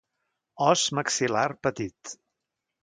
Os maxil·lar petit.